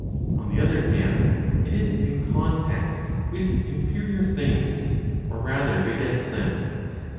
On the other hand, it is in contact with inferior things, or rather, begets them.